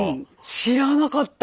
知らなかった！